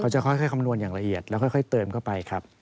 จะค่อยคำนวณอย่างละเอียดแล้วค่อยเติมเข้าไปครับ